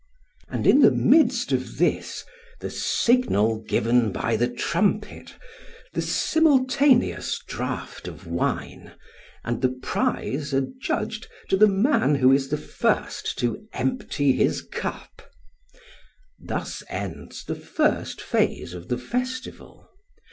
] and in the midst of this the signal given by the trumpet, the simultaneous draught of wine, and the prize adjudged to the man who is the first to empty his cup. Thus ends the first phase of the festival.